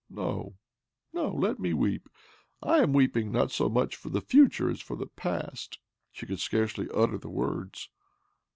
" No, no ; let me weep. I am weeping not so much for the future as for the past." She could scarcely utter the words.